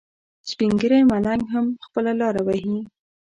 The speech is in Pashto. سپین ږیری ملنګ هم خپله لاره وهي.